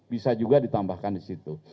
bisa juga ditambahkan disitu